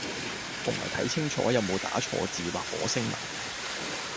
同埋睇清楚有冇打錯字或火星文